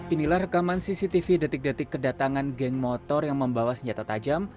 inilah rekaman cctv detik detik kedatangan geng motor yang membawa senjata tajam